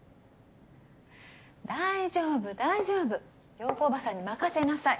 大丈夫大丈夫洋子叔母さんに任せなさい。